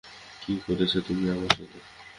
কী করেছ তুমি আমার সাথে?